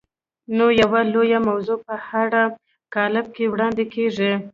نو یوه لویه موضوع په واړه کالب کې وړاندې کېږي.